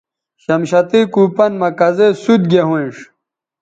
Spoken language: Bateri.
شمشتئ کو پن مہ کزے سوت گے ھوینݜ